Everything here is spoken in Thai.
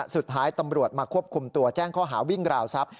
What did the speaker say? สุดท้ายตำรวจมาควบคุมตัวแจ้งข้อหาวิ่งราวทรัพย